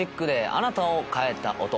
「あなたを変えた音」。